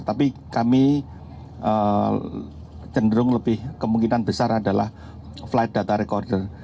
tapi kami cenderung lebih kemungkinan besar adalah flight data recorder